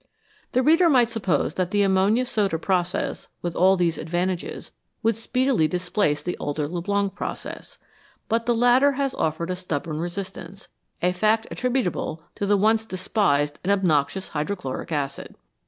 The reader might suppose that the ammonia soda process, with all these advantages, would speedily displace the older Leblanc process. But the latter has offered a stubborn resistance, a fact attributable to the once despised and obnoxious hydrochloric acid.